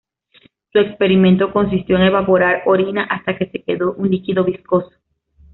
Su experimento consistió en evaporar orina hasta que quedó un líquido viscoso.